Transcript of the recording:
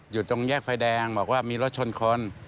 อยู่ตรงแยกไฟแดงบอกว่ามีรถชนคน